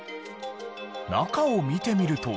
中を見てみると。